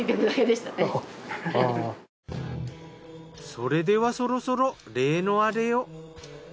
それではそろそろ例のアレを。